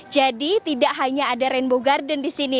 jadi tidak hanya ada rainbow garden di sini